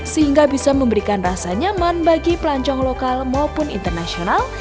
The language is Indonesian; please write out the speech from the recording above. sehingga bisa memberikan rasa nyaman bagi pelancong lantai